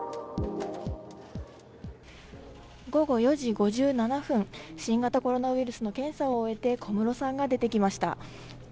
午後４時５７分、新型コロナウイルスの検査を終えて、小室さんが出てきました。